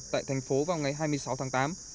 tại thành phố vào ngày hai mươi sáu tháng tám